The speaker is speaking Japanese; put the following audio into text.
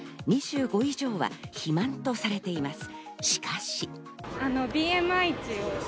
２５以上は肥満とされています。